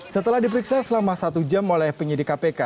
setelah diperiksa selama satu jam oleh penyidik kpk